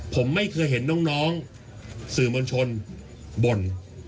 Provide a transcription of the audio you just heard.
ผมไม่เคยเห็นน้องสื่อมวลชนบ่น